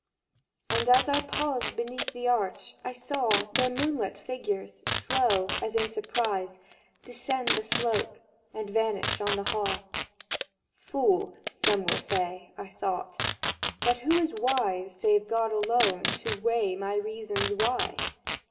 And as I paused beneath the arch I saw Their moonlit figures—slow, as in surprise— Descend the slope, and vanish on the haw. "'Fool,' some will say," I thought. "But who is wise, Save God alone, to weigh my reasons why?"